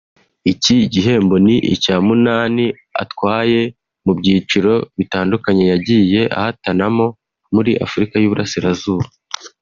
Iki gihembo ni icya munani atwaye mu byiciro bitandukanye yagiye ahatanamo muri Afurika y’Uburasirazuba